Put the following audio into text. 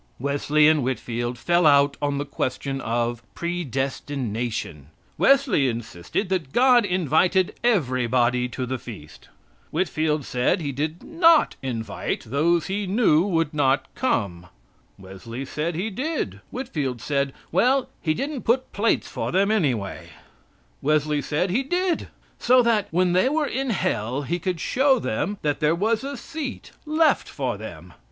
Wesley and Whitfield fell out on the question of predestination. Wesley insisted that God invited everybody to the feast. Whitfield said He did not invite those He knew would not come. Wesley said He did. Whitfield said: "Well, He didn't put plates for them, anyway." Wesley said He did. So that, when they were in hell, he could show them that there was a seat left for them.